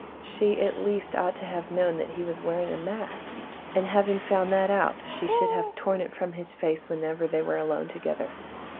She, at least, ought to have known that he was wearing a mask, and having found that out, she should have torn it from his face, whenever they were alone together.